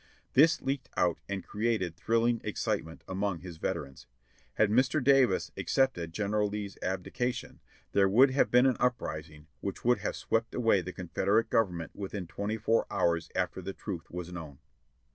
This leaked out and created thrilling excitement among his veterans. Had Mr. Davis ac cepted General Lee's abdication, there would have been an up rising which would have swept away the Confederate Govern ment within twenty four hours after the truth was known.